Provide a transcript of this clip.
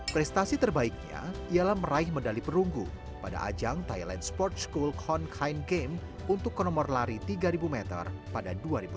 prestasi terbaiknya ialah meraih medali perunggu pada ajang thailand sports school khon khain game untuk konomor lari tiga ribu meter pada dua ribu sembilan belas